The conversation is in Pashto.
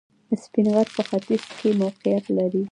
سپین غر په ختیځ کې موقعیت لري